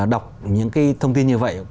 đọc những thông tin như vậy